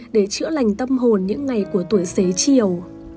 để chữa lành tâm hồn những ngày của tuổi xế chiều